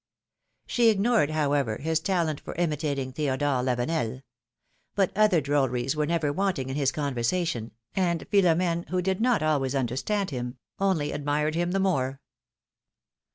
177 She ignored, however, his taletit for imitating Theodore Lavenel ; but other drolleries were never wanting in his conversation, and Philomene, who did not always under stand him, only admired him the more.